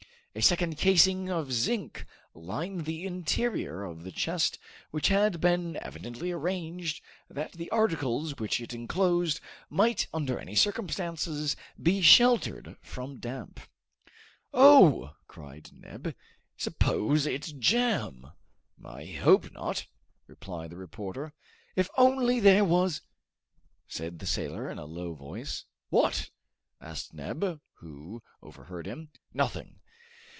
A second casing of zinc lined the interior of the chest, which had been evidently arranged that the articles which it enclosed might under any circumstances be sheltered from damp. "Oh!" cried Neb, "suppose it's jam! "I hope not," replied the reporter. "If only there was " said the sailor in a low voice. "What?" asked Neb, who overheard him. "Nothing!"